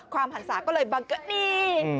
ความหันษาก็เลยบังเกิดนี่